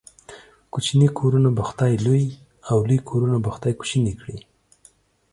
کوچني کورونه به خداى لوى ، او لوى کورونه به خداى کوچني کړي.